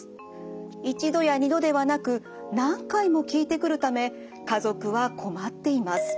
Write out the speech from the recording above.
１度や２度ではなく何回も聞いてくるため家族は困っています。